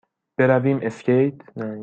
برویم اسکیت؟